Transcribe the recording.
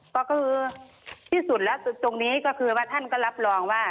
ก็คือที่สุดแล้วตรงนี้ก็คือว่าท่านก็รับรองว่า